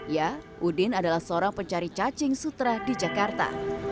ya udin adalah seorang pencari cacing sutra di jakarta